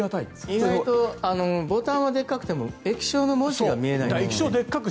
意外とボタンはでかくても液晶の文字が見えない。